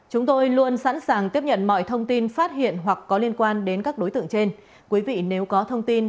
chúng tôi luôn sẵn sàng tiếp nhận mọi thông tin phát hiện hoặc có liên quan đến các đối tượng trên